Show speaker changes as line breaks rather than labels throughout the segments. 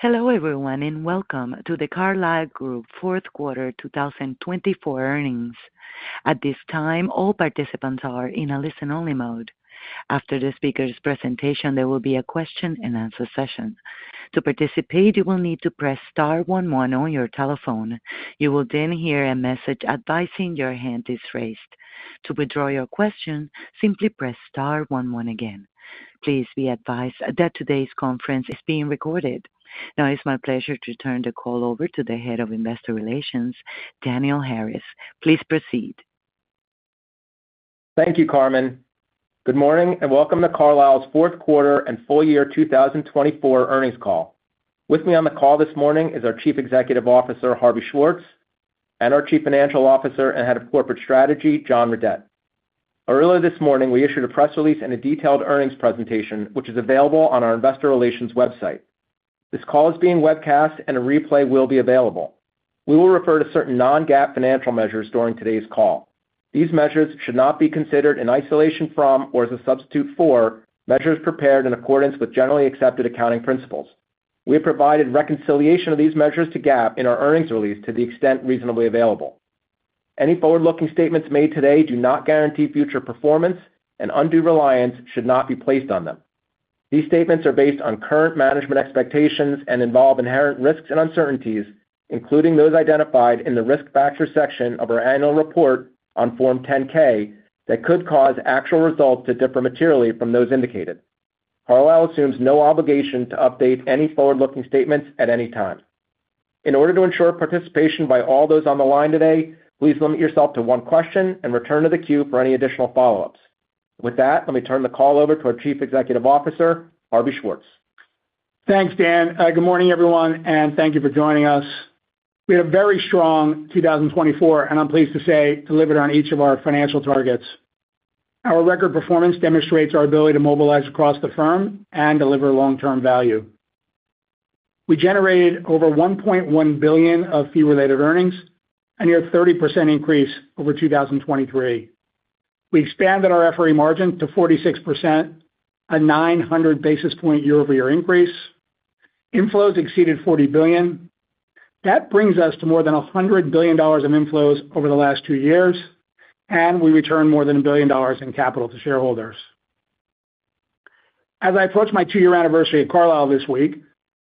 Hello, everyone, and welcome to the Carlyle Group fourth quarter 2024 earnings. At this time, all participants are in a listen-only mode. After the speaker's presentation, there will be a question-and-answer session. To participate, you will need to press Star 11 on your telephone. You will then hear a message advising your hand is raised. To withdraw your question, simply press Star 11 again. Please be advised that today's conference is being recorded. Now, it's my pleasure to turn the call over to the Head of Investor Relations, Daniel Harris. Please proceed.
Thank you, Carmen. Good morning and welcome to Carlyle's fourth quarter and full year 2024 earnings call. With me on the call this morning is our Chief Executive Officer, Harvey Schwartz, and our Chief Financial Officer and Head of Corporate Strategy, John Redett. Earlier this morning, we issued a press release and a detailed earnings presentation, which is available on our Investor Relations website. This call is being webcast, and a replay will be available. We will refer to certain non-GAAP financial measures during today's call. These measures should not be considered in isolation from or as a substitute for measures prepared in accordance with generally accepted accounting principles. We have provided reconciliation of these measures to GAAP in our earnings release to the extent reasonably available. Any forward-looking statements made today do not guarantee future performance, and undue reliance should not be placed on them. These statements are based on current management expectations and involve inherent risks and uncertainties, including those identified in the risk factor section of our annual report on Form 10-K that could cause actual results to differ materially from those indicated. Carlyle assumes no obligation to update any forward-looking statements at any time. In order to ensure participation by all those on the line today, please limit yourself to one question and return to the queue for any additional follow-ups. With that, let me turn the call over to our Chief Executive Officer, Harvey Schwartz.
Thanks, Dan. Good morning, everyone, and thank you for joining us. We had a very strong 2024, and I'm pleased to say we delivered on each of our financial targets. Our record performance demonstrates our ability to mobilize across the firm and deliver long-term value. We generated over $1.1 billion of fee-related earnings, a near 30% increase over 2023. We expanded our FRE margin to 46%, a 900 basis points year-over-year increase. Inflows exceeded $40 billion. That brings us to more than $100 billion of inflows over the last two years, and we returned more than $1 billion in capital to shareholders. As I approach my two-year anniversary at Carlyle this week,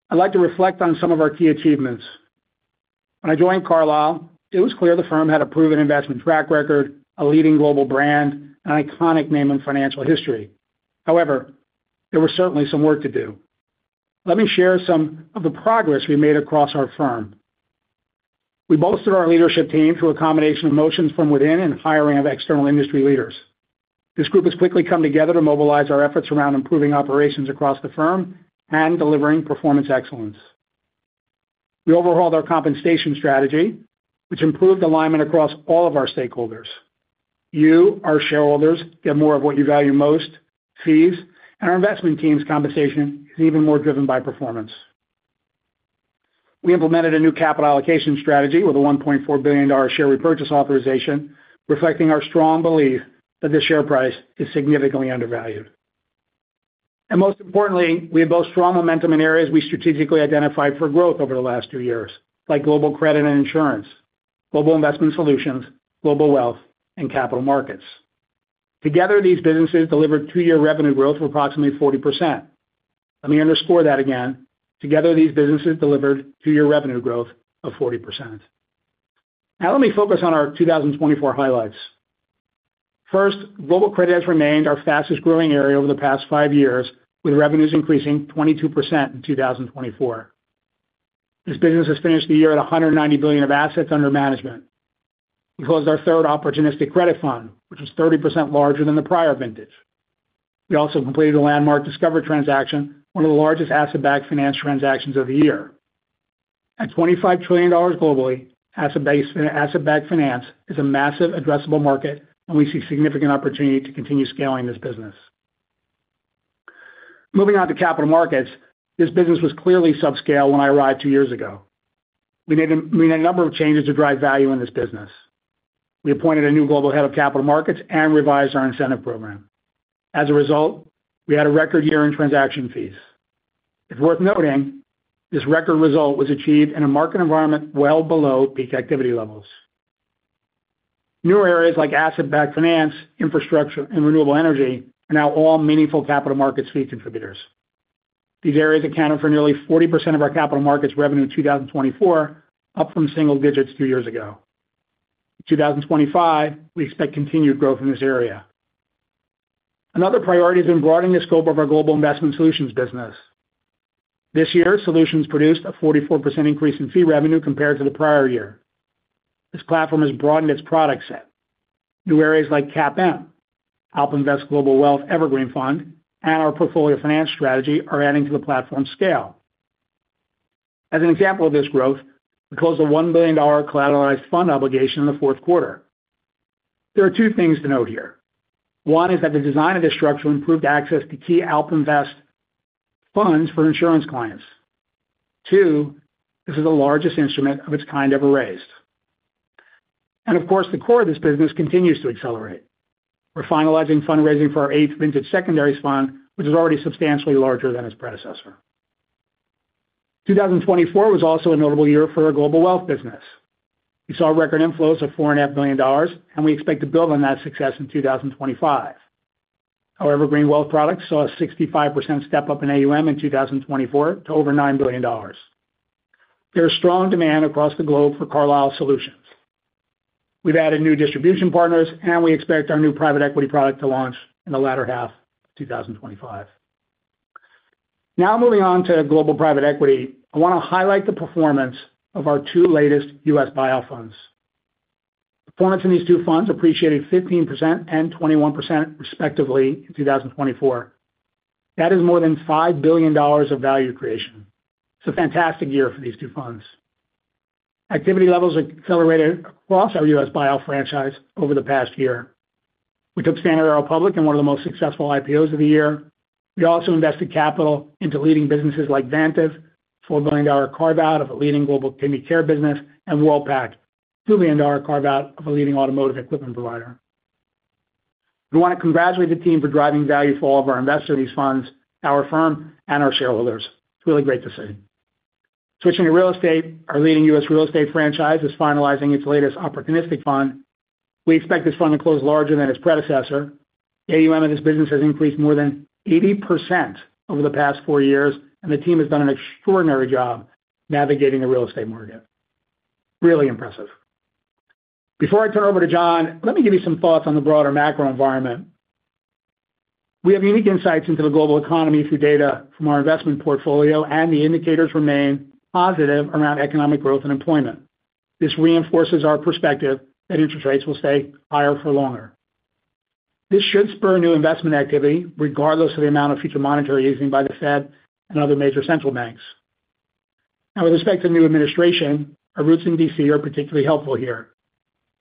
I'd like to reflect on some of our key achievements. When I joined Carlyle, it was clear the firm had a proven investment track record, a leading global brand, and an iconic name in financial history. However, there was certainly some work to do. Let me share some of the progress we made across our firm. We bolstered our leadership team through a combination of motions from within and hiring of external industry leaders. This group has quickly come together to mobilize our efforts around improving operations across the firm and delivering performance excellence. We overhauled our compensation strategy, which improved alignment across all of our stakeholders. You, our shareholders, get more of what you value most: fees, and our investment team's compensation is even more driven by performance. We implemented a new capital allocation strategy with a $1.4 billion share repurchase authorization, reflecting our strong belief that this share price is significantly undervalued. Most importantly, we have both strong momentum in areas we strategically identified for growth over the last two years, like global credit and insurance, global investment solutions, global wealth, and capital markets. Together, these businesses delivered two-year revenue growth of approximately 40%. Let me underscore that again. Together, these businesses delivered two-year revenue growth of 40%. Now, let me focus on our 2024 highlights. First, global credit has remained our fastest-growing area over the past five years, with revenues increasing 22% in 2024. This business has finished the year at $190 billion of assets under management. We closed our third opportunistic credit fund, which was 30% larger than the prior vintage. We also completed a landmark Discover transaction, one of the largest asset-backed finance transactions of the year. At $25 trillion globally, asset-backed finance is a massive, addressable market, and we see significant opportunity to continue scaling this business. Moving on to capital markets, this business was clearly subscale when I arrived two years ago. We made a number of changes to drive value in this business. We appointed a new global head of capital markets and revised our incentive program. As a result, we had a record year in transaction fees. It's worth noting this record result was achieved in a market environment well below peak activity levels. Newer areas like asset-backed finance, infrastructure, and renewable energy are now all meaningful capital markets fee contributors. These areas accounted for nearly 40% of our capital markets revenue in 2024, up from single digits two years ago. In 2025, we expect continued growth in this area. Another priority has been broadening the scope of our global investment solutions business. This year, solutions produced a 44% increase in fee revenue compared to the prior year. This platform has broadened its product set. New areas like CAPM, AlpInvest Global Wealth Evergreen Fund, and our portfolio finance strategy are adding to the platform's scale. As an example of this growth, we closed a $1 billion collateralized fund obligation in the fourth quarter. There are two things to note here. One is that the design of this structure improved access to key AlpInvest funds for insurance clients. Two, this is the largest instrument of its kind ever raised, and of course, the core of this business continues to accelerate. We're finalizing fundraising for our eighth vintage secondaries fund, which is already substantially larger than its predecessor. 2024 was also a notable year for our global wealth business. We saw record inflows of $4.5 billion, and we expect to build on that success in 2025. Our evergreen wealth products saw a 65% step-up in AUM in 2024 to over $9 billion. There is strong demand across the globe for Carlyle solutions. We've added new distribution partners, and we expect our new private equity product to launch in the latter half of 2025. Now, moving on to global private equity, I want to highlight the performance of our two latest U.S. buyout funds. Performance in these two funds appreciated 15% and 21%, respectively, in 2024. That is more than $5 billion of value creation. It's a fantastic year for these two funds. Activity levels accelerated across our U.S. buyout franchise over the past year. We took StandardAero public and one of the most successful IPOs of the year. We also invested capital into leading businesses like Vantive, a $4 billion carve-out of a leading global kidney care business, and Worldpac, a $2 billion carve-out of a leading automotive equipment provider. We want to congratulate the team for driving value for all of our investors in these funds, our firm, and our shareholders. It's really great to see. Switching to real estate, our leading U.S. real estate franchise is finalizing its latest opportunistic fund. We expect this fund to close larger than its predecessor. AUM of this business has increased more than 80% over the past four years, and the team has done an extraordinary job navigating the real estate market. Really impressive. Before I turn it over to John, let me give you some thoughts on the broader macro environment. We have unique insights into the global economy through data from our investment portfolio, and the indicators remain positive around economic growth and employment. This reinforces our perspective that interest rates will stay higher for longer. This should spur new investment activity, regardless of the amount of future monetary easing by the Fed and other major central banks. Now, with respect to new administration, our roots in D.C. are particularly helpful here.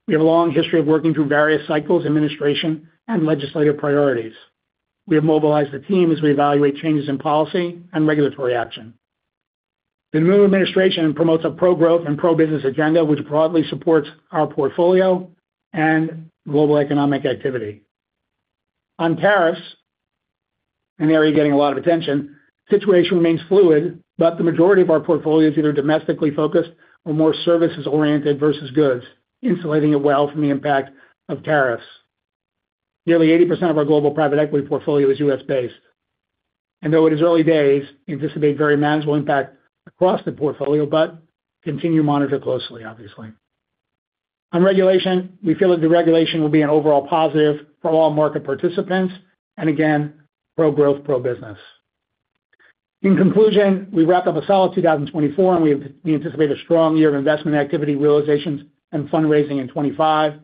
We have a long history of working through various cycles, administration, and legislative priorities. We have mobilized the team as we evaluate changes in policy and regulatory action. The new administration promotes a pro-growth and pro-business agenda, which broadly supports our portfolio and global economic activity. On tariffs, an area getting a lot of attention, the situation remains fluid, but the majority of our portfolio is either domestically focused or more services-oriented versus goods, insulating it well from the impact of tariffs. Nearly 80% of our global private equity portfolio is U.S.-based, and though it is early days, we anticipate very manageable impact across the portfolio, but continue to monitor closely, obviously. On regulation, we feel that the regulation will be an overall positive for all market participants and, again, pro-growth, pro-business. In conclusion, we wrap up a solid 2024, and we anticipate a strong year of investment activity, realizations, and fundraising in 2025.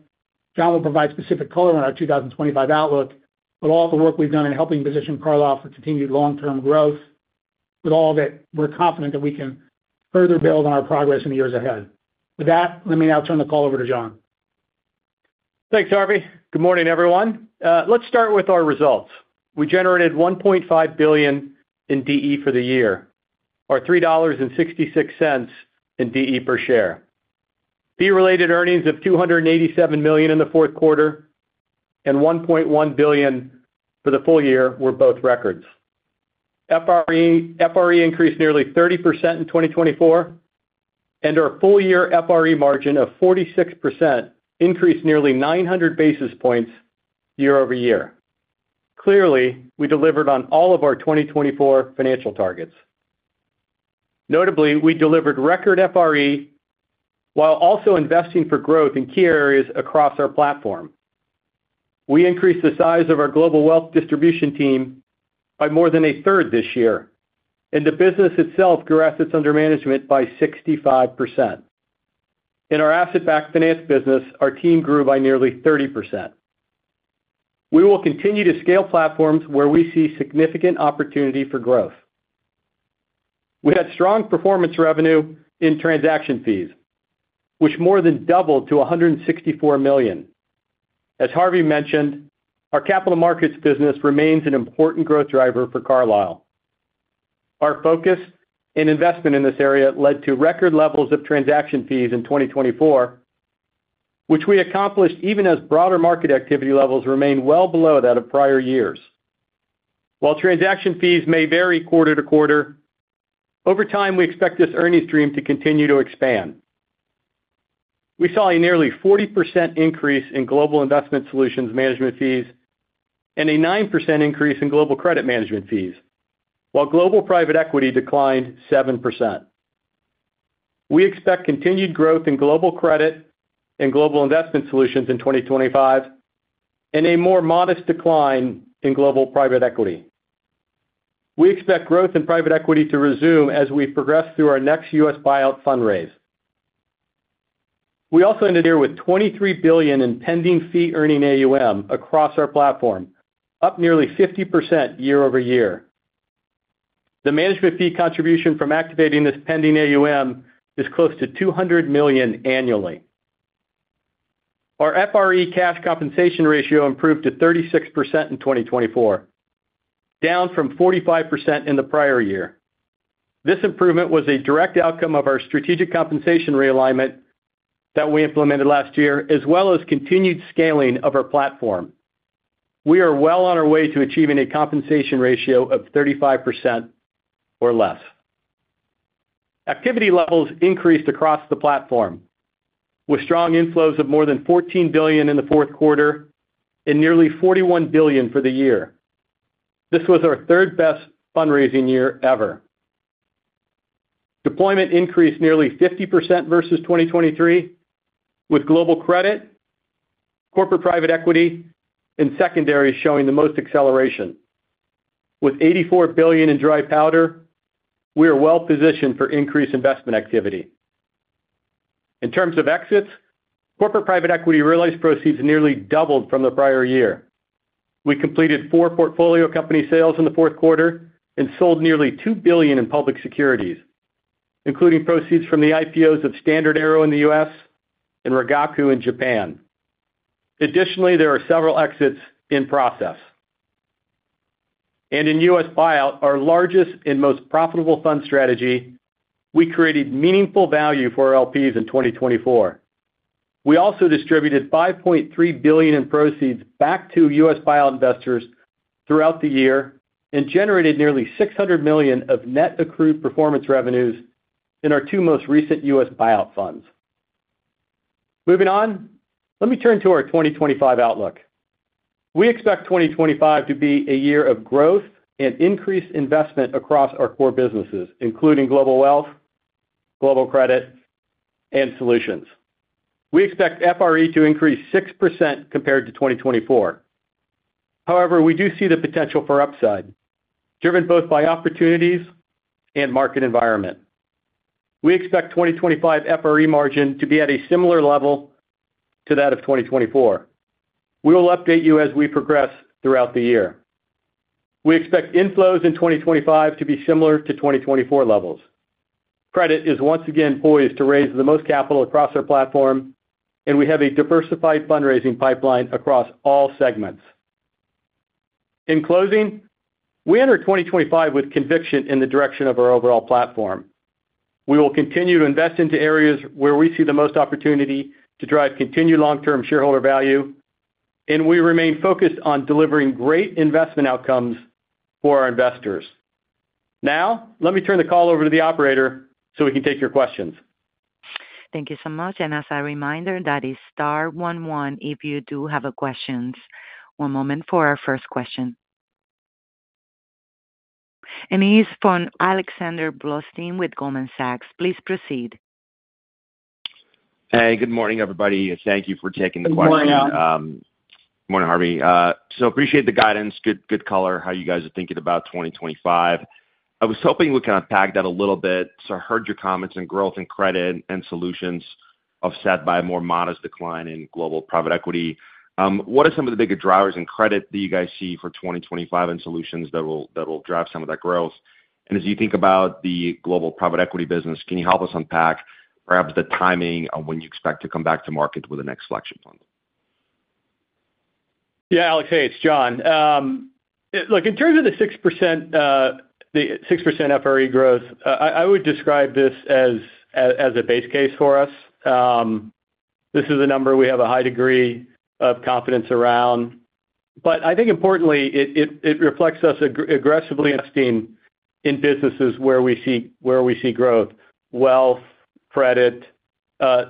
John will provide specific color on our 2025 outlook, with all the work we've done in helping position Carlyle for continued long-term growth, with all that, we're confident that we can further build on our progress in the years ahead. With that, let me now turn the call over to John.
Thanks, Harvey. Good morning, everyone. Let's start with our results. We generated $1.5 billion in DE for the year, or $3.66 in DE per share. Fee-related earnings of $287 million in the fourth quarter and $1.1 billion for the full year were both records. FRE increased nearly 30% in 2024, and our full-year FRE margin of 46% increased nearly 900 basis points year-over-year. Clearly, we delivered on all of our 2024 financial targets. Notably, we delivered record FRE while also investing for growth in key areas across our platform. We increased the size of our global wealth distribution team by more than a third this year, and the business itself grew assets under management by 65%. In our asset-backed finance business, our team grew by nearly 30%. We will continue to scale platforms where we see significant opportunity for growth. We had strong performance revenue in transaction fees, which more than doubled to $164 million. As Harvey mentioned, our capital markets business remains an important growth driver for Carlyle. Our focus and investment in this area led to record levels of transaction fees in 2024, which we accomplished even as broader market activity levels remain well below that of prior years. While transaction fees may vary quarter to quarter, over time, we expect this earnings stream to continue to expand. We saw a nearly 40% increase in global investment solutions management fees and a 9% increase in global credit management fees, while global private equity declined 7%. We expect continued growth in global credit and global investment solutions in 2025 and a more modest decline in global private equity. We expect growth in private equity to resume as we progress through our next U.S. buyout fundraise. We also ended the year with $23 billion in pending fee-earning AUM across our platform, up nearly 50% year-over-year. The management fee contribution from activating this pending AUM is close to $200 million annually. Our FRE cash compensation ratio improved to 36% in 2024, down from 45% in the prior year. This improvement was a direct outcome of our strategic compensation realignment that we implemented last year, as well as continued scaling of our platform. We are well on our way to achieving a compensation ratio of 35% or less. Activity levels increased across the platform, with strong inflows of more than $14 billion in the fourth quarter and nearly $41 billion for the year. This was our third-best fundraising year ever. Deployment increased nearly 50% versus 2023, with global credit, corporate private equity, and secondaries showing the most acceleration. With $84 billion in dry powder, we are well positioned for increased investment activity. In terms of exits, corporate private equity realized proceeds nearly doubled from the prior year. We completed four portfolio company sales in the fourth quarter and sold nearly $2 billion in public securities, including proceeds from the IPOs of StandardAero in the U.S. and Rigaku in Japan. Additionally, there are several exits in process, and in U.S. buyout, our largest and most profitable fund strategy, we created meaningful value for our LPs in 2024. We also distributed $5.3 billion in proceeds back to U.S. buyout investors throughout the year and generated nearly $600 million of net accrued performance revenues in our two most recent U.S. buyout funds. Moving on, let me turn to our 2025 outlook. We expect 2025 to be a year of growth and increased investment across our core businesses, including global wealth, global credit, and solutions. We expect FRE to increase 6% compared to 2024. However, we do see the potential for upside, driven both by opportunities and market environment. We expect 2025 FRE margin to be at a similar level to that of 2024. We will update you as we progress throughout the year. We expect inflows in 2025 to be similar to 2024 levels. Credit is once again poised to raise the most capital across our platform, and we have a diversified fundraising pipeline across all segments. In closing, we enter 2025 with conviction in the direction of our overall platform. We will continue to invest into areas where we see the most opportunity to drive continued long-term shareholder value, and we remain focused on delivering great investment outcomes for our investors. Now, let me turn the call over to the operator so we can take your questions.
Thank you so much. And as a reminder, that is Star 11. If you do have questions, one moment for our first question. And he is from Alexander Blostein with Goldman Sachs. Please proceed.
Hey, good morning, everybody. Thank you for taking the question.
Good morning.
Good morning, Harvey. So, I appreciate the guidance, good color on how you guys are thinking about 2025. I was hoping we could unpack that a little bit. So, I heard your comments on growth in credit and solutions offset by a more modest decline in global private equity. What are some of the bigger drivers in credit that you guys see for 2025 and solutions that will drive some of that growth? And as you think about the global private equity business, can you help us unpack perhaps the timing of when you expect to come back to market with the next successor fund?
Yeah, Alex, hey, it's John. Look, in terms of the 6% FRE growth, I would describe this as a base case for us. This is a number we have a high degree of confidence around. But I think, importantly, it reflects us aggressively investing in businesses where we see growth: wealth, credit,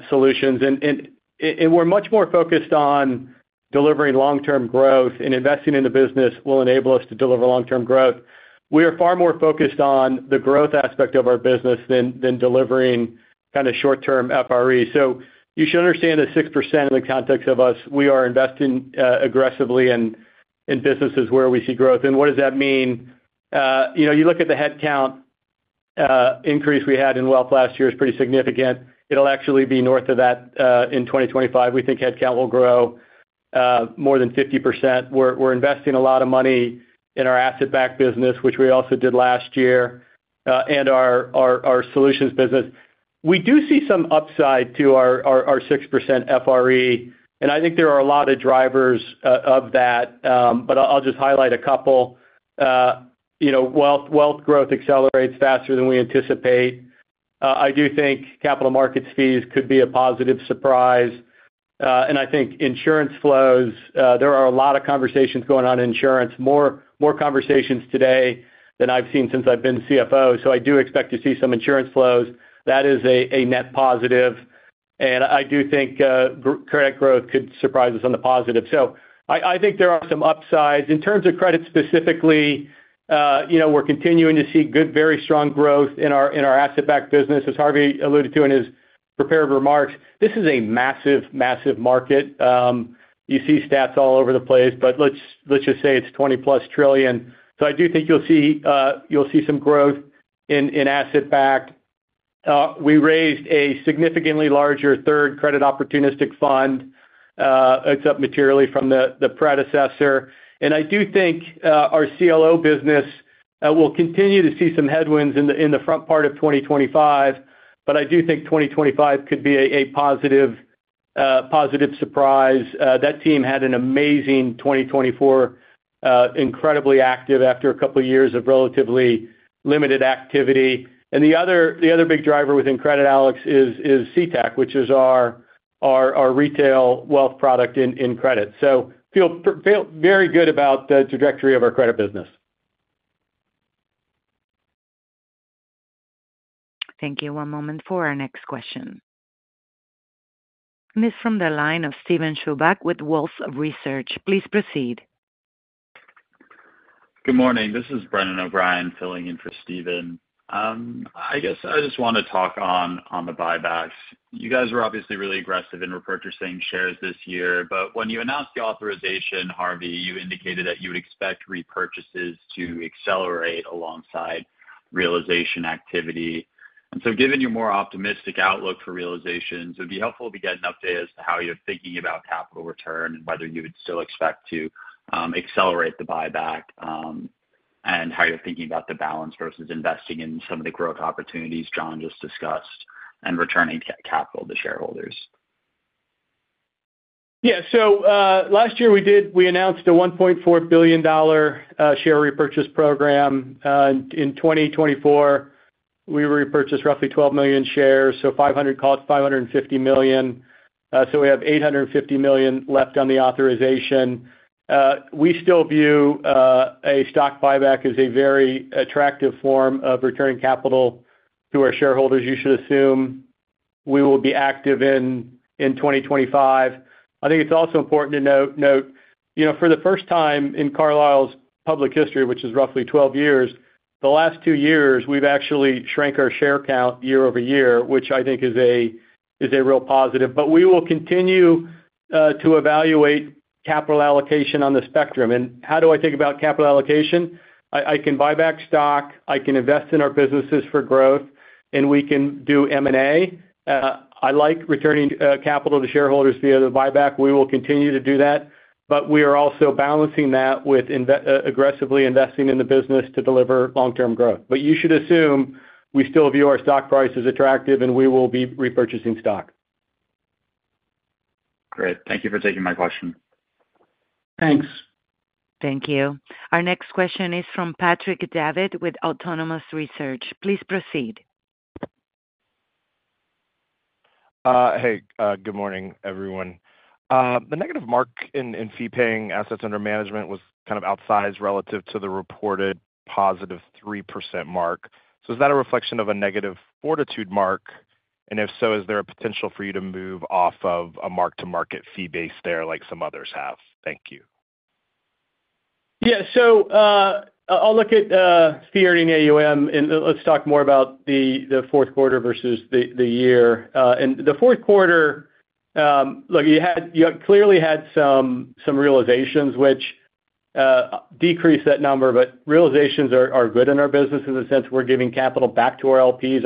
solutions. And we're much more focused on delivering long-term growth, and investing in the business will enable us to deliver long-term growth. We are far more focused on the growth aspect of our business than delivering kind of short-term FRE. So you should understand the 6% in the context of us. We are investing aggressively in businesses where we see growth. And what does that mean? You look at the headcount increase we had in wealth last year. It's pretty significant. It'll actually be north of that in 2025. We think headcount will grow more than 50%. We're investing a lot of money in our asset-backed business, which we also did last year, and our solutions business. We do see some upside to our 6% FRE, and I think there are a lot of drivers of that, but I'll just highlight a couple. Wealth growth accelerates faster than we anticipate. I do think capital markets fees could be a positive surprise, and I think insurance flows, there are a lot of conversations going on insurance, more conversations today than I've seen since I've been CFO, so I do expect to see some insurance flows. That is a net positive, and I do think credit growth could surprise us on the positive, so I think there are some upsides. In terms of credit specifically, we're continuing to see good, very strong growth in our asset-backed business, as Harvey alluded to in his prepared remarks. This is a massive, massive market. You see stats all over the place, but let's just say it's $20-plus trillion. So I do think you'll see some growth in asset-backed. We raised a significantly larger third credit opportunistic fund. It's up materially from the predecessor. And I do think our CLO business will continue to see some headwinds in the front part of 2025, but I do think 2025 could be a positive surprise. That team had an amazing 2024, incredibly active after a couple of years of relatively limited activity. And the other big driver within credit, Alex, is CTAC, which is our retail wealth product in credit. So feel very good about the trajectory of our credit business.
Thank you. One moment for our next question. And this is from the line of Steven Chubak with Wolfe Research. Please proceed.
Good morning. This is Brendan O'Brien filling in for Steven. I guess I just want to talk on the buybacks. You guys were obviously really aggressive in repurchasing shares this year, but when you announced the authorization, Harvey, you indicated that you would expect repurchases to accelerate alongside realization activity. And so given your more optimistic outlook for realizations, it would be helpful to get an update as to how you're thinking about capital return and whether you would still expect to accelerate the buyback and how you're thinking about the balance versus investing in some of the growth opportunities John just discussed and returning capital to shareholders.
Yeah. So last year, we announced a $1.4 billion share repurchase program. In 2024, we repurchased roughly 12 million shares, so $500-$550 million. So we have $850 million left on the authorization. We still view a stock buyback as a very attractive form of returning capital to our shareholders, you should assume. We will be active in 2025. I think it's also important to note for the first time in Carlyle's public history, which is roughly 12 years, the last two years, we've actually shrank our share count year over year, which I think is a real positive. But we will continue to evaluate capital allocation on the spectrum. And how do I think about capital allocation? I can buy back stock. I can invest in our businesses for growth, and we can do M&A. I like returning capital to shareholders via the buyback. We will continue to do that, but we are also balancing that with aggressively investing in the business to deliver long-term growth. But you should assume we still view our stock price as attractive, and we will be repurchasing stock.
Great. Thank you for taking my question.
Thanks.
Thank you. Our next question is from Patrick Davitt with Autonomous Research. Please proceed.
Hey, good morning, everyone. The negative mark in fee-paying assets under management was kind of outsized relative to the reported positive 3% mark. So is that a reflection of a negative Fortitude mark? And if so, is there a potential for you to move off of a mark-to-market fee base there like some others have? Thank you.
Yeah. So I'll look at fee-earning AUM, and let's talk more about the fourth quarter versus the year. And the fourth quarter, look, you clearly had some realizations, which decreased that number, but realizations are good in our business in the sense we're giving capital back to our LPs.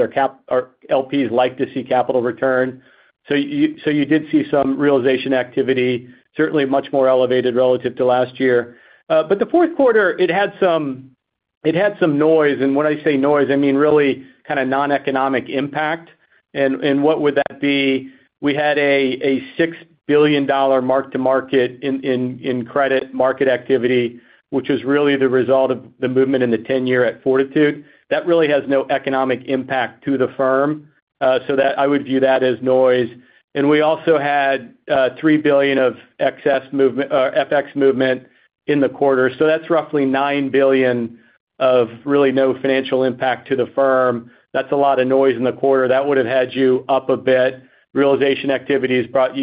Our LPs like to see capital return. So you did see some realization activity, certainly much more elevated relative to last year. But the fourth quarter, it had some noise. And when I say noise, I mean really kind of non-economic impact. And what would that be? We had a $6 billion mark-to-market in credit market activity, which was really the result of the movement in the 10-year at Fortitude. That really has no economic impact to the firm. So I would view that as noise. And we also had $3 billion of excess FX movement in the quarter. So that's roughly $9 billion of really no financial impact to the firm. That's a lot of noise in the quarter. That would have had you up a bit. Realization activity has brought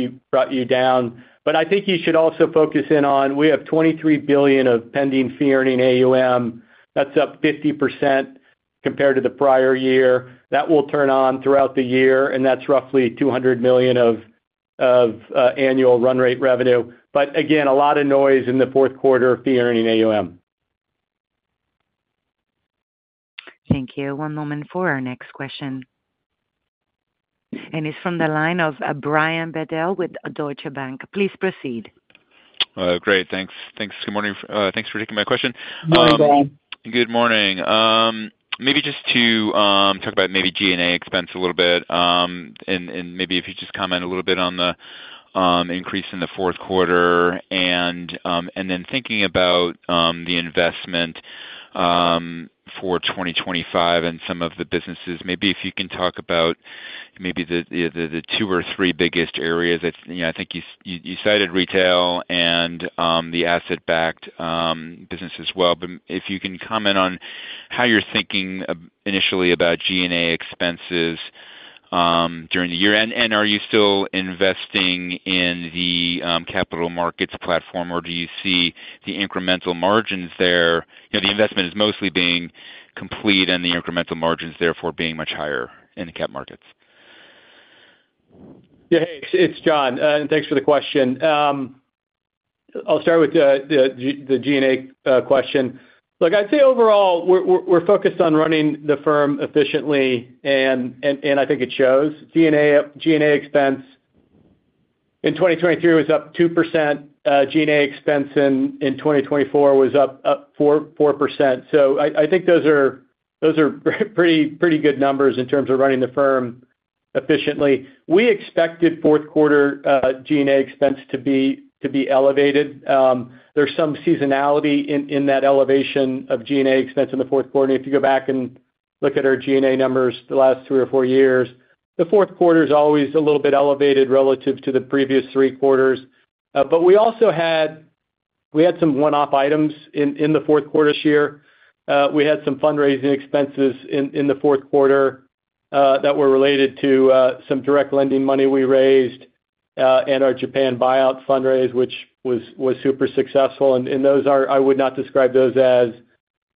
you down. But I think you should also focus in on we have $23 billion of pending fee-earning AUM. That's up 50% compared to the prior year. That will turn on throughout the year, and that's roughly $200 million of annual run rate revenue. But again, a lot of noise in the fourth quarter fee-earning AUM.
Thank you. One moment for our next question. And it's from the line of Brian Bedell with Deutsche Bank. Please proceed.
Great. Thanks. Good morning. Thanks for taking my question.
Hello, Brian.
Good morning. Maybe just to talk about maybe G&A expense a little bit. And maybe if you just comment a little bit on the increase in the fourth quarter. And then thinking about the investment for 2025 and some of the businesses, maybe if you can talk about maybe the two or three biggest areas. I think you cited retail and the asset-backed business as well. But if you can comment on how you're thinking initially about G&A expenses during the year. And are you still investing in the capital markets platform, or do you see the incremental margins there? The investment is mostly being complete and the incremental margins, therefore, being much higher in the CAP markets.
Yeah, hey, it's John. And thanks for the question. I'll start with the G&A question. Look, I'd say overall, we're focused on running the firm efficiently, and I think it shows. G&A expense in 2023 was up 2%. G&A expense in 2024 was up 4%. So I think those are pretty good numbers in terms of running the firm efficiently. We expected fourth quarter G&A expense to be elevated. There's some seasonality in that elevation of G&A expense in the fourth quarter. And if you go back and look at our G&A numbers the last three or four years, the fourth quarter is always a little bit elevated relative to the previous three quarters. But we also had some one-off items in the fourth quarter this year. We had some fundraising expenses in the fourth quarter that were related to some direct lending money we raised and our Japan buyout fundraise, which was super successful. And I would not describe those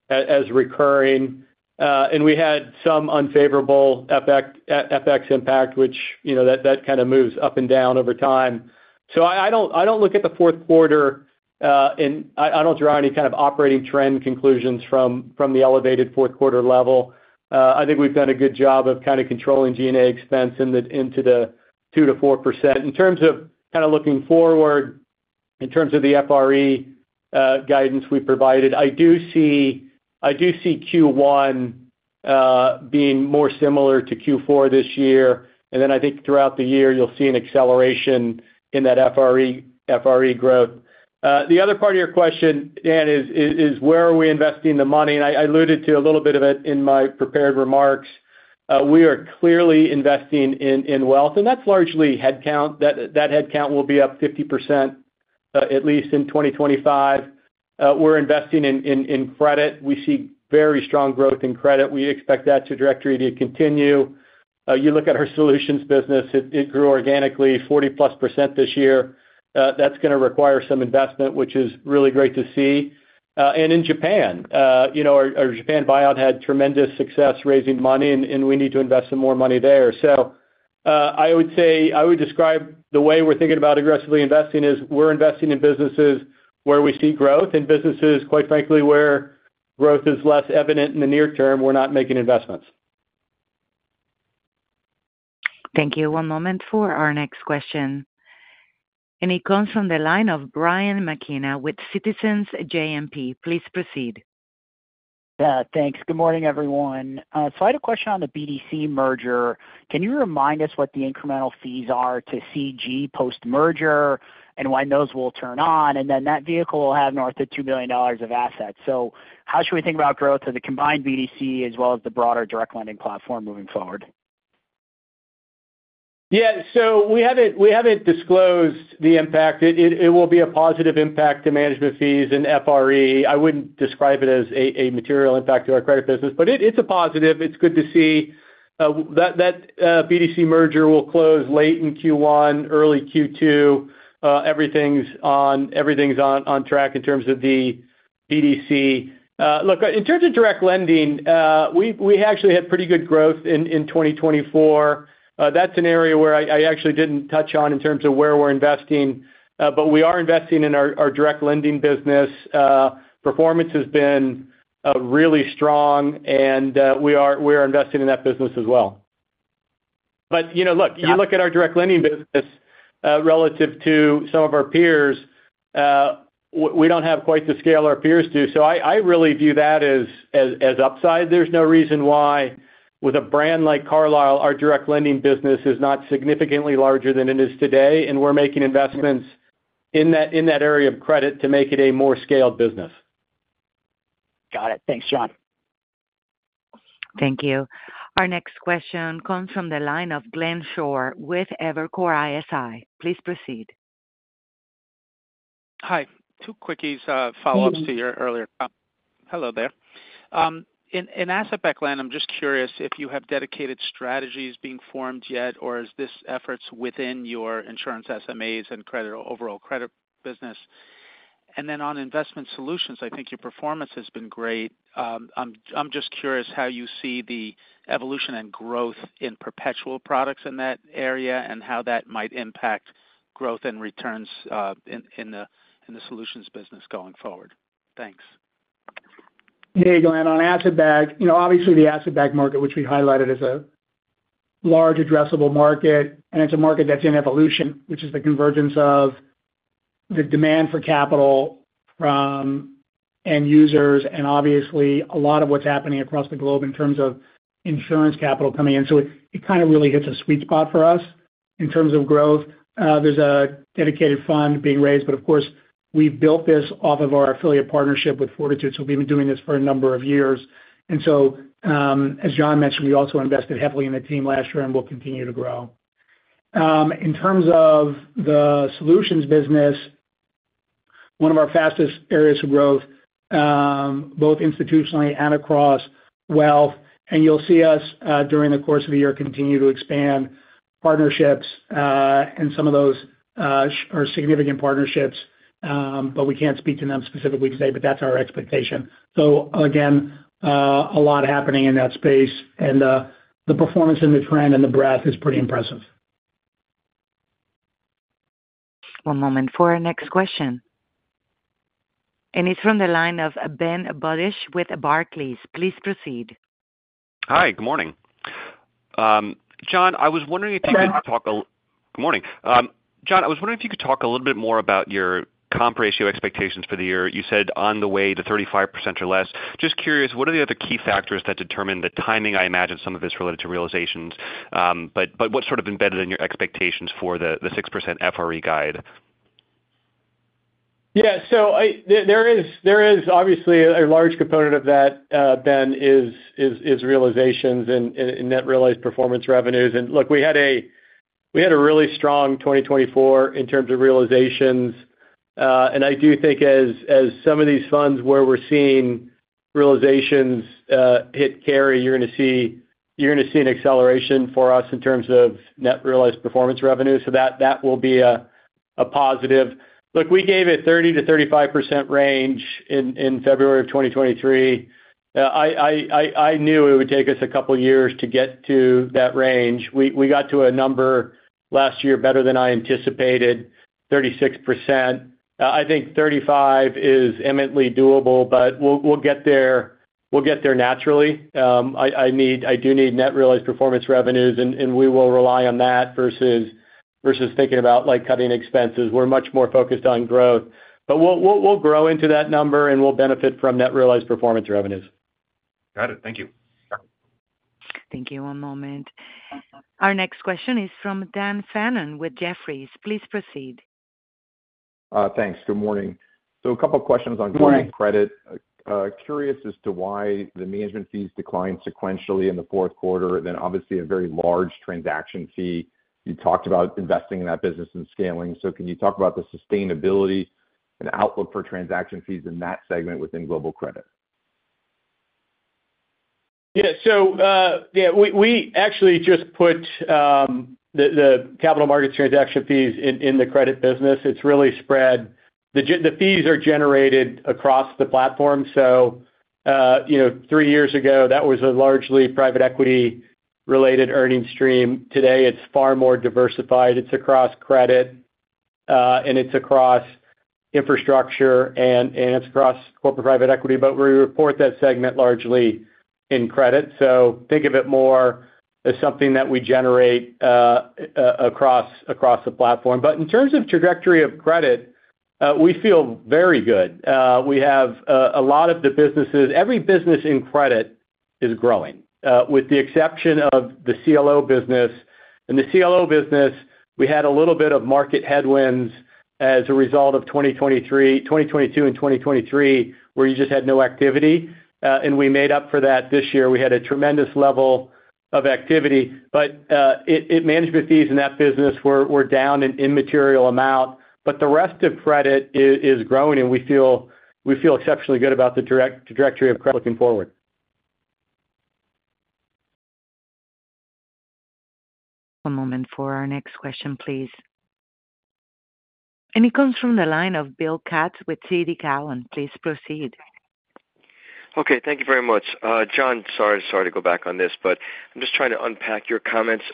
as recurring. And we had some unfavorable FX impact, which that kind of moves up and down over time. So I don't look at the fourth quarter, and I don't draw any kind of operating trend conclusions from the elevated fourth quarter level. I think we've done a good job of kind of controlling G&A expense into the 2%-4%. In terms of kind of looking forward, in terms of the FRE guidance we provided, I do see Q1 being more similar to Q4 this year. And then I think throughout the year, you'll see an acceleration in that FRE growth. The other part of your question, Dan, is where are we investing the money? And I alluded to a little bit of it in my prepared remarks. We are clearly investing in wealth, and that's largely headcount. That headcount will be up 50% at least in 2025. We're investing in credit. We see very strong growth in credit. We expect that trajectory to continue. You look at our solutions business; it grew organically 40+% this year. That's going to require some investment, which is really great to see. And in Japan, our Japan buyout had tremendous success raising money, and we need to invest some more money there. So I would say I would describe the way we're thinking about aggressively investing is we're investing in businesses where we see growth and businesses, quite frankly, where growth is less evident in the near term; we're not making investments.
Thank you. One moment for our next question. And it comes from the line of Brian McKenna with Citizens JMP. Please proceed.
Thanks. Good morning, everyone. So I had a question on the BDC merger. Can you remind us what the incremental fees are to CG post-merger and when those will turn on? And then that vehicle will have north of $2 billion of assets. So how should we think about growth of the combined BDC as well as the broader direct lending platform moving forward?
Yeah. So we haven't disclosed the impact. It will be a positive impact to management fees and FRE. I wouldn't describe it as a material impact to our credit business, but it's a positive. It's good to see that BDC merger will close late in Q1, early Q2. Everything's on track in terms of the BDC. Look, in terms of direct lending, we actually had pretty good growth in 2024. That's an area where I actually didn't touch on in terms of where we're investing, but we are investing in our direct lending business. Performance has been really strong, and we are investing in that business as well. But look, you look at our direct lending business relative to some of our peers, we don't have quite the scale our peers do. So I really view that as upside. There's no reason why. With a brand like Carlyle, our direct lending business is not significantly larger than it is today, and we're making investments in that area of credit to make it a more scaled business.
Got it. Thanks, John.
Thank you. Our next question comes from the line of Glenn Schorr with Evercore ISI. Please proceed.
Hi. Two quick follow-ups to your earlier comment. Hello there. In asset-backed lending, I'm just curious if you have dedicated strategies being formed yet, or is this efforts within your insurance SMAs and overall credit business? And then on investment solutions, I think your performance has been great. I'm just curious how you see the evolution and growth in perpetual products in that area and how that might impact growth and returns in the solutions business going forward. Thanks.
Hey, Glenn, on asset-backed, obviously the asset-backed market, which we highlighted as a large addressable market, and it's a market that's in evolution, which is the convergence of the demand for capital from end users and obviously a lot of what's happening across the globe in terms of insurance capital coming in. So it kind of really hits a sweet spot for us in terms of growth. There's a dedicated fund being raised, but of course, we've built this off of our affiliate partnership with Fortitude. So we've been doing this for a number of years. And so as John mentioned, we also invested heavily in the team last year and will continue to grow. In terms of the solutions business, one of our fastest areas of growth, both institutionally and across wealth, and you'll see us during the course of the year continue to expand partnerships and some of those are significant partnerships, but we can't speak to them specifically today, but that's our expectation, so again, a lot happening in that space, and the performance and the trend and the breadth is pretty impressive.
One moment for our next question. And it's from the line of Ben Budish with Barclays. Please proceed.
Hi, good morning. John, I was wondering if you could talk a little bit more about your comp ratio expectations for the year. You said on the way to 35% or less. Just curious, what are the other key factors that determine the timing? I imagine some of this related to realizations, but what's sort of embedded in your expectations for the 6% FRE guide?
Yeah. So there is obviously a large component of that, Ben, is realizations and net realized performance revenues. And look, we had a really strong 2024 in terms of realizations. And I do think as some of these funds where we're seeing realizations hit carry, you're going to see an acceleration for us in terms of net realized performance revenue. So that will be a positive. Look, we gave a 30%-35% range in February of 2023. I knew it would take us a couple of years to get to that range. We got to a number last year better than I anticipated, 36%. I think 35% is eminently doable, but we'll get there naturally. I do need net realized performance revenues, and we will rely on that versus thinking about cutting expenses.
We're much more focused on growth, but we'll grow into that number, and we'll benefit from net realized performance revenues.
Got it. Thank you.
Thank you. One moment. Our next question is from Dan Fannon with Jefferies. Please proceed.
Thanks. Good morning. So a couple of questions on credits.
Good morning.
Curious as to why the management fees declined sequentially in the fourth quarter, then obviously a very large transaction fee. You talked about investing in that business and scaling. So can you talk about the sustainability and outlook for transaction fees in that segment within Global Credit?
Yeah. So yeah, we actually just put the capital markets transaction fees in the credit business. It's really spread. The fees are generated across the platform. So three years ago, that was a largely private equity-related earnings stream. Today, it's far more diversified. It's across credit, and it's across infrastructure, and it's across corporate private equity. But we report that segment largely in credit. So think of it more as something that we generate across the platform. But in terms of trajectory of credit, we feel very good. We have a lot of the businesses. Every business in credit is growing, with the exception of the CLO business. In the CLO business, we had a little bit of market headwinds as a result of 2022 and 2023, where you just had no activity. And we made up for that this year. We had a tremendous level of activity, but management fees in that business were down an immaterial amount. But the rest of credit is growing, and we feel exceptionally good about the trajectory of credit looking forward.
One moment for our next question, please. And it comes from the line of Bill Katz with TD Cowen. Please proceed.
Okay. Thank you very much. John, sorry to go back on this, but I'm just trying to unpack your comments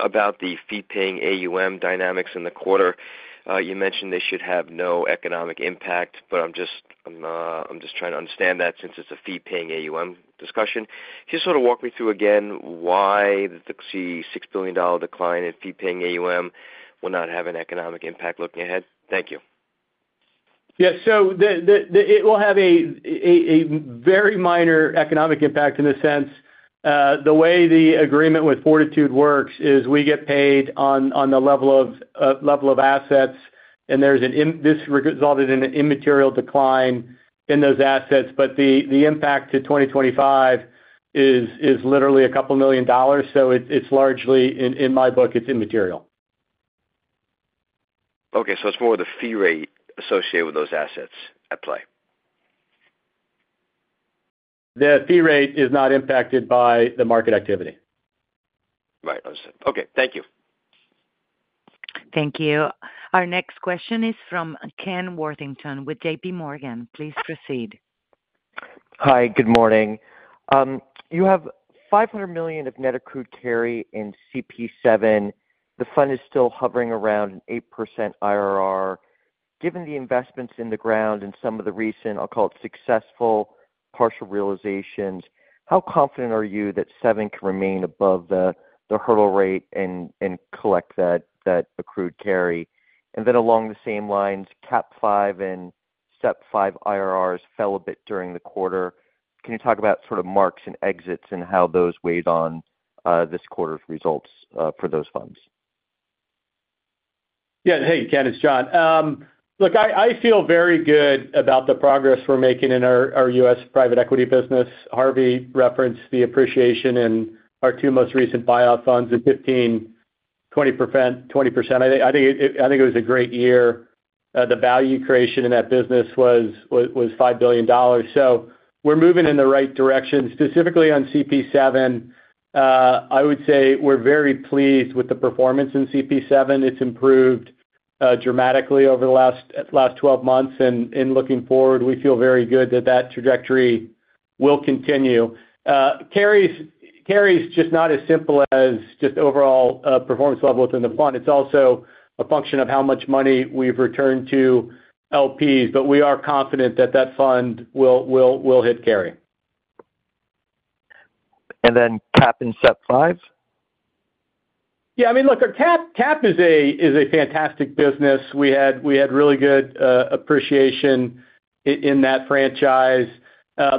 about the fee-paying AUM dynamics in the quarter. You mentioned they should have no economic impact, but I'm just trying to understand that since it's a fee-paying AUM discussion. Can you sort of walk me through again why the $6 billion decline in fee-paying AUM will not have an economic impact looking ahead? Thank you.
Yeah. So it will have a very minor economic impact in the sense. The way the agreement with Fortitude works is we get paid on the level of assets, and this resulted in an immaterial decline in those assets. But the impact to 2025 is literally $2 million. So it's largely, in my book, it's immaterial.
Okay, so it's more the fee rate associated with those assets at play?
The fee rate is not impacted by the market activity.
Right. I was going to say, okay. Thank you.
Thank you. Our next question is from Ken Worthington with J.P. Morgan. Please proceed.
Hi. Good morning. You have $500 million of net accrued carry in CP7. The fund is still hovering around an 8% IRR. Given the investments in the ground and some of the recent, I'll call it successful partial realizations, how confident are you that seven can remain above the hurdle rate and collect that accrued carry? And then along the same lines, CAP V and CEP V IRRs fell a bit during the quarter. Can you talk about sort of marks and exits and how those weighed on this quarter's results for those funds?
Yeah. Hey, Ken, it's John. Look, I feel very good about the progress we're making in our U.S. private equity business. Harvey referenced the appreciation in our two most recent buyout funds of 15%-20%. I think it was a great year. The value creation in that business was $5 billion. So we're moving in the right direction. Specifically on CP7, I would say we're very pleased with the performance in CP7. It's improved dramatically over the last 12 months. And looking forward, we feel very good that that trajectory will continue. Carry's just not as simple as just overall performance level within the fund. It's also a function of how much money we've returned to LPs, but we are confident that that fund will hit carry.
And then CAP and CEP five?
Yeah. I mean, look, CAP is a fantastic business. We had really good appreciation in that franchise.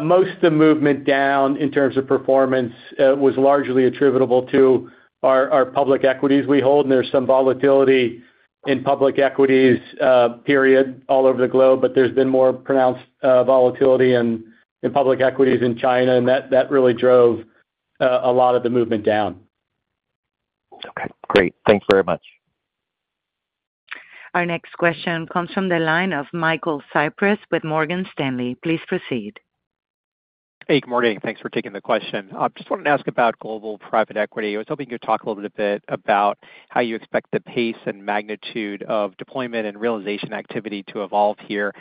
Most of the movement down in terms of performance was largely attributable to our public equities we hold, and there's some volatility in public equities period all over the globe, but there's been more pronounced volatility in public equities in China, and that really drove a lot of the movement down.
Okay. Great. Thanks very much.
Our next question comes from the line of Michael Cyprys with Morgan Stanley. Please proceed.
Hey, good morning. Thanks for taking the question. I just wanted to ask about Global Private Equity. I was hoping you could talk a little bit about how you expect the pace and magnitude of deployment and realization activity to evolve here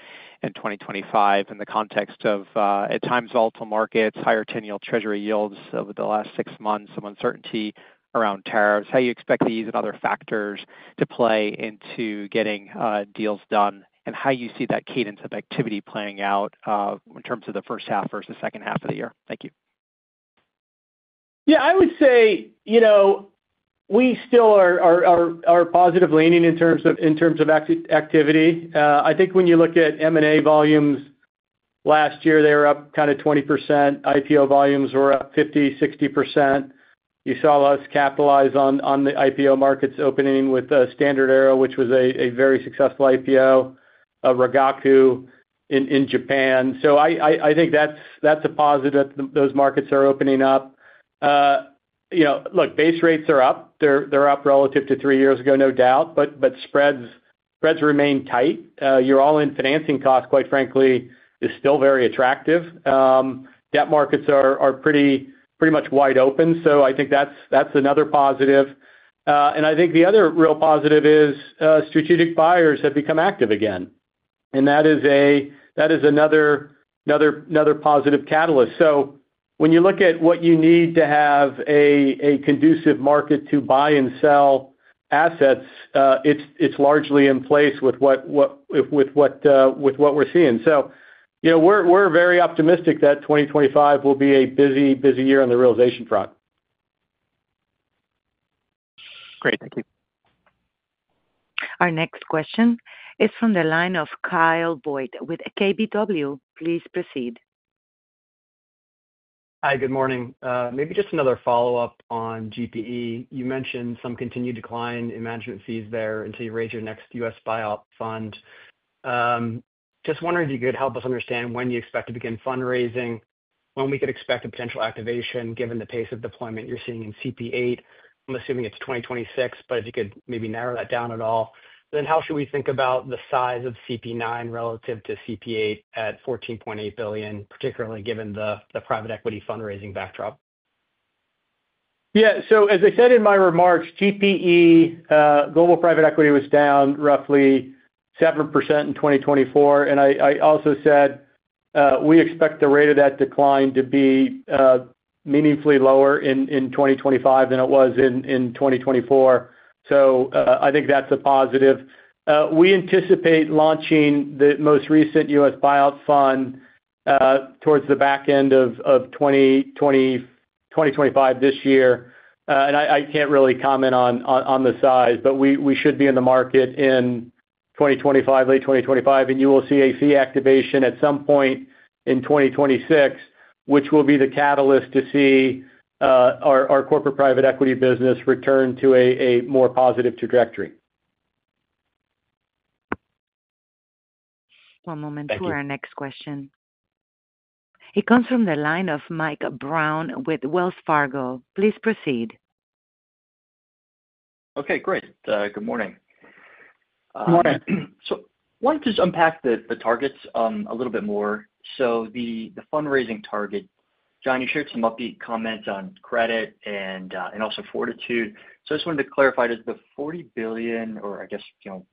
in 2025 in the context of, at times, volatile markets, higher 10-Year Treasury yields over the last six months, some uncertainty around tariffs. How do you expect these and other factors to play into getting deals done, and how you see that cadence of activity playing out in terms of the first half versus the second half of the year? Thank you.
Yeah. I would say we still are positively leaning in terms of activity. I think when you look at M&A volumes last year, they were up kind of 20%. IPO volumes were up 50%-60%. You saw us capitalize on the IPO markets opening with StandardAero, which was a very successful IPO, of Rigaku in Japan. So I think that's a positive that those markets are opening up. Look, base rates are up. They're up relative to three years ago, no doubt, but spreads remain tight. Your all-in financing cost, quite frankly, is still very attractive. Debt markets are pretty much wide open. So I think that's another positive. And I think the other real positive is strategic buyers have become active again. And that is another positive catalyst. So when you look at what you need to have a conducive market to buy and sell assets, it's largely in place with what we're seeing. So we're very optimistic that 2025 will be a busy, busy year on the realization front.
Great. Thank you.
Our next question is from the line of Kyle Boyd with KBW. Please proceed.
Hi. Good morning. Maybe just another follow-up on GPE. You mentioned some continued decline in management fees there until you raise your next U.S. buyout fund. Just wondering if you could help us understand when you expect to begin fundraising, when we could expect a potential activation given the pace of deployment you're seeing in CP8. I'm assuming it's 2026, but if you could maybe narrow that down at all. Then how should we think about the size of CP9 relative to CP8 at $14.8 billion, particularly given the private equity fundraising backdrop?
Yeah. So as I said in my remarks, GPE, Global Private Equity was down roughly 7% in 2024. And I also said we expect the rate of that decline to be meaningfully lower in 2025 than it was in 2024. So I think that's a positive. We anticipate launching the most recent US buyout fund towards the back end of 2025 this year. And I can't really comment on the size, but we should be in the market in 2025, late 2025, and you will see a fee activation at some point in 2026, which will be the catalyst to see our corporate private equity business return to a more positive trajectory.
One moment for our next question. It comes from the line of Mike Brown with Wells Fargo. Please proceed.
Okay. Great. Good morning.
Good morning.
I wanted to just unpack the targets a little bit more. The fundraising target, John, you shared some upbeat comments on credit and also Fortitude. I just wanted to clarify that the $40 billion, or I guess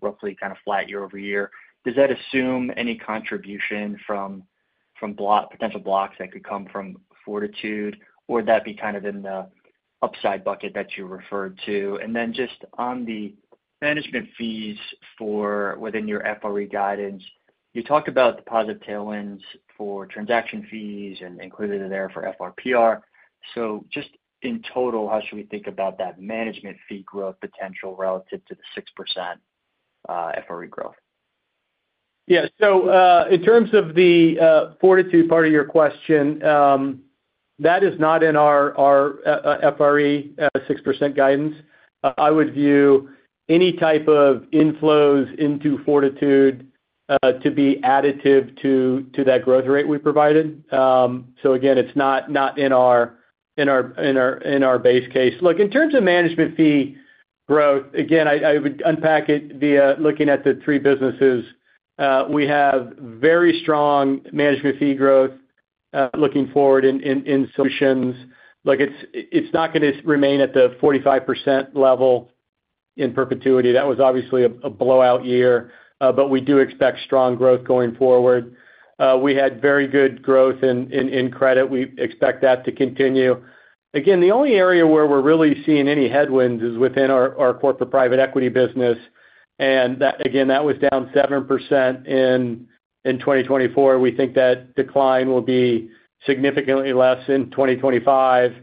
roughly kind of flat year over year, does that assume any contribution from potential blocks that could come from Fortitude, or would that be kind of in the upside bucket that you referred to? Then just on the management fees within your FRE guidance, you talked about the positive tailwinds for transaction fees and included there for FRPR. Just in total, how should we think about that management fee growth potential relative to the 6% FRE growth?
Yeah. So in terms of the Fortitude part of your question, that is not in our FRE 6% guidance. I would view any type of inflows into Fortitude to be additive to that growth rate we provided. So again, it's not in our base case. Look, in terms of management fee growth, again, I would unpack it via looking at the three businesses. We have very strong management fee growth looking forward in solutions. Look, it's not going to remain at the 45% level in perpetuity. That was obviously a blowout year, but we do expect strong growth going forward. We had very good growth in credit. We expect that to continue. Again, the only area where we're really seeing any headwinds is within our corporate private equity business. And again, that was down 7% in 2024. We think that decline will be significantly less in 2025.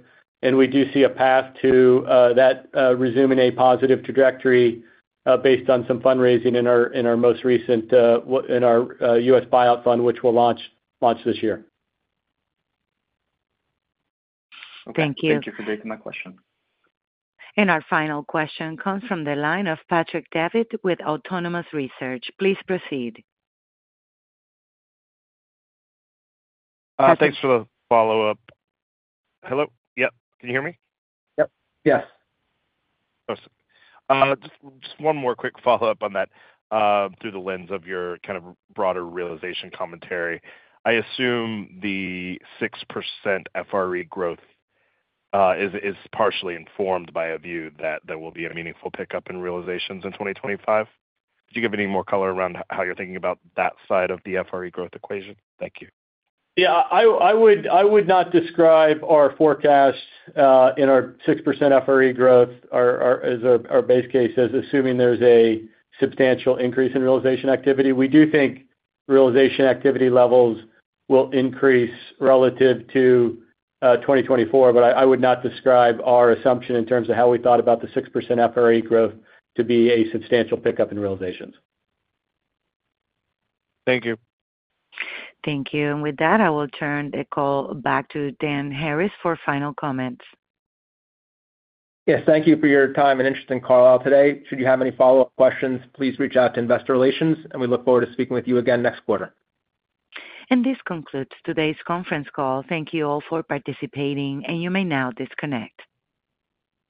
We do see a path to that resuming a positive trajectory based on some fundraising in our most recent U.S. buyout fund, which we'll launch this year.
Thank you. Thank you for taking my question.
Our final question comes from the line of Patrick Davitt with Autonomous Research. Please proceed.
Thanks for the follow-up. Hello? Yeah. Can you hear me?
Yep. Yes.
Awesome. Just one more quick follow-up on that through the lens of your kind of broader realization commentary. I assume the 6% FRE growth is partially informed by a view that there will be a meaningful pickup in realizations in 2025. Could you give any more color around how you're thinking about that side of the FRE growth equation? Thank you.
Yeah. I would not describe our forecast in our 6% FRE growth as our base case as assuming there's a substantial increase in realization activity. We do think realization activity levels will increase relative to 2024, but I would not describe our assumption in terms of how we thought about the 6% FRE growth to be a substantial pickup in realizations.
Thank you.
Thank you. With that, I will turn the call back to Dan Harris for final comments.
Yes. Thank you for your time and interest in Carlyle today. Should you have any follow-up questions, please reach out to Investor Relations, and we look forward to speaking with you again next quarter.
This concludes today's conference call. Thank you all for participating, and you may now disconnect.